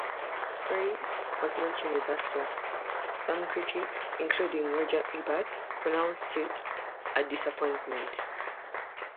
Praise was not universal; some critics, including Roger Ebert, pronounced it a disappointment.